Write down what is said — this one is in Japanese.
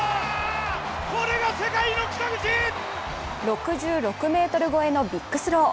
６６ｍ超えのビッグスロー。